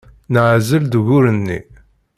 Neɛzel-d ugur-nni.